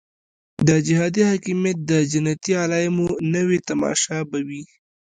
د جهادي حاکمیت د جنتي علایمو نوې تماشه به وي.